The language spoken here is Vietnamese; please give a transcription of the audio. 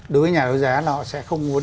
đối với nhà đấu giá là họ sẽ không muốn